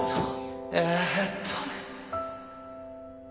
えーっと。